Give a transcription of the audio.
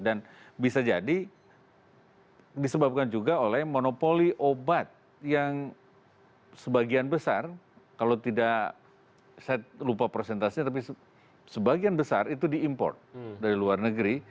dan bisa jadi disebabkan juga oleh monopoli obat yang sebagian besar kalau tidak saya lupa prosentasinya tapi sebagian besar itu diimport dari luar negeri